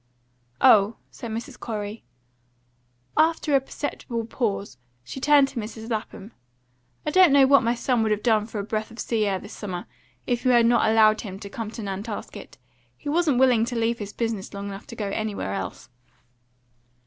"Oh," said Mrs. Corey. After a perceptible pause, she turned to Mrs. Lapham. "I don't know what my son would have done for a breath of sea air this summer, if you had not allowed him to come to Nantasket. He wasn't willing to leave his business long enough to go anywhere else."